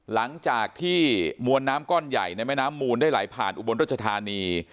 หลังจากที่มวลน้ำก้อนใหญ่ในแม่น้ำมูลได้ไหลผ่านอุบลรัชธานี